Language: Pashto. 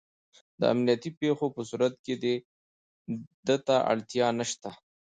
د امنیتي پېښو په صورت کې دې ته اړتیا نشته.